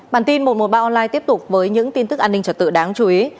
bản tin một trăm một mươi ba online tiếp tục với những tin tức an ninh trật tự đáng chú ý